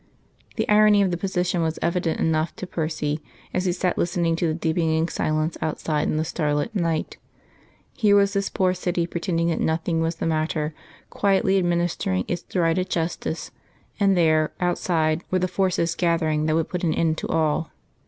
The irony of the position was evident enough to Percy as he sat listening to the deepening silence outside in the starlit night. Here was this poor city pretending that nothing was the matter, quietly administering its derided justice; and there, outside, were the forces gathering that would put an end to all.